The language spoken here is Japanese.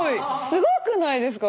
すごくないですか？